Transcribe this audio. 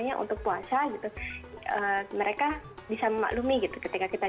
mungkin gitu kalau mau puasa gitu kan